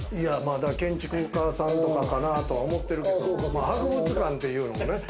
建築家さんなんかなとは思ってるけれども、博物館というのもね。